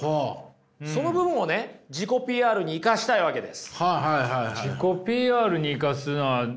その部分をね自己ＰＲに生かしたいわけです。